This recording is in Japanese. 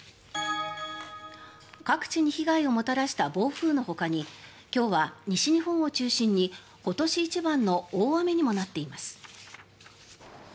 各地に被害をもたらした暴風のほかに今日は西日本を中心に今年一番の大雨にもなっています。